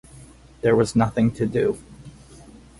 There was nothing to do.